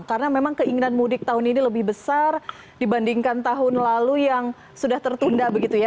karena memang keinginan mudik tahun ini lebih besar dibandingkan tahun lalu yang sudah tertunda begitu ya